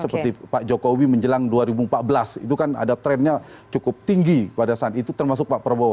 seperti pak jokowi menjelang dua ribu empat belas itu kan ada trennya cukup tinggi pada saat itu termasuk pak prabowo